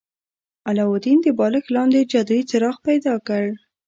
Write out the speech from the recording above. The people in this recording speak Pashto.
علاوالدین د بالښت لاندې جادويي څراغ پیدا کړ.